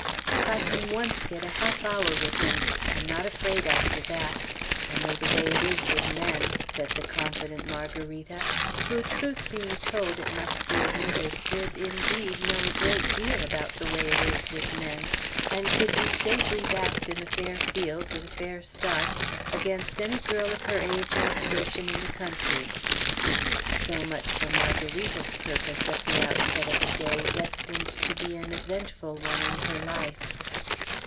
If I can once get a half hour with him, I'm not afraid after that; I know the way it is with men!" said the confident Margarita, who, truth being told, it must be admitted, did indeed know a great deal about the way it is with men, and could be safely backed, in a fair field, with a fair start, against any girl of her age and station in the country. So much for Margarita's purpose, at the outset of a day destined to be an eventful one in her life.